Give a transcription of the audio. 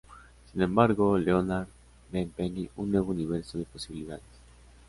Sin embargo, Leonard ve en Penny un nuevo universo de posibilidades.